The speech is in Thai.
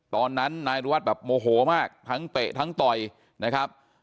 ตอนนั้นนายรุวัฒน์แบบโมโหมากทั้งเตะทั้งต่อยนะครับ